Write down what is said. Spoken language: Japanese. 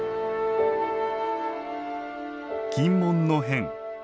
禁門の変。